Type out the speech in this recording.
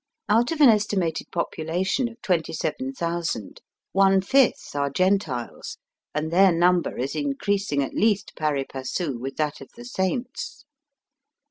Out of an estimated population of twenty seven thousand, one fifth are Gentiles, and their number is increasing at least pari passu with that of the saints.